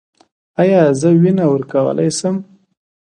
ایا زه وینه ورکولی شم؟